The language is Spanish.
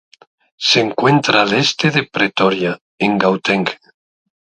Se encuentra al este de Pretoria, en Gauteng.